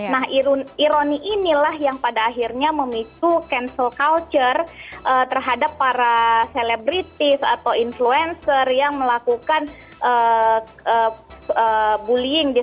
nah ironi inilah yang pada akhirnya memicu cancel culture terhadap para selebritis atau influencer yang melakukan bullying